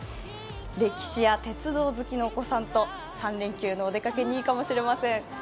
歴史や鉄道好きのお子さんと３連休のお出かけにいいかもしれません。